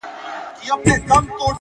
موږ په هر يو گاونډي وهلی گول دی’